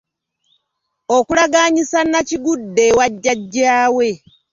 Okulagaanyisa Nnakigudde ewa Jjajjaawe.